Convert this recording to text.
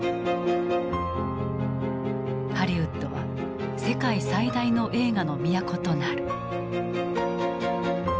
ハリウッドは世界最大の映画の都となる。